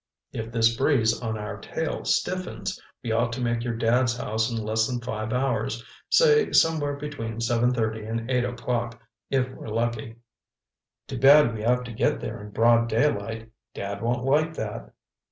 If this breeze on our tail stiffens, we ought to make your Dad's house in less than five hours—say somewhere between seven thirty and eight o'clock, if we're lucky." "Too bad we have to get there in broad daylight. Dad won't like that."